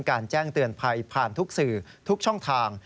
แจ้งเตือนภัยผ่านทุกสื่อทุกช่องทาง